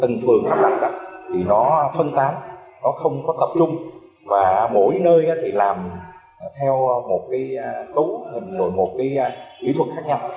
nó có một cấu hình một kỹ thuật khác nhau